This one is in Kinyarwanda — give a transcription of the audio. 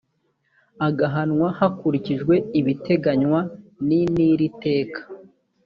agahanwa hakurikijwe ibiteganywa n n iri teka